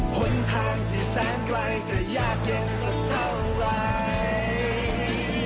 ผลทางที่แสนไกลจะยากเย็นสักเท่าไร